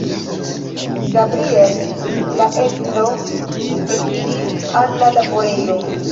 Gabriel, la edzo, ekiris al la laborejo.